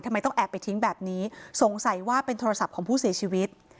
ทำไมต้องแอบไปทิ้งแบบนี้สงสัยว่าเป็นโทรศัพท์ของผู้เสียชีวิต